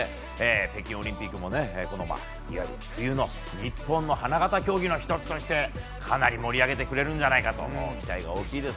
北京オリンピックもこのまま冬の日本の花形競技の１つとしてかなり盛り上げてくれると期待が大きいです。